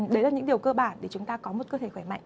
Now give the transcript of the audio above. đấy là những điều cơ bản để chúng ta có một cơ thể khỏe mạnh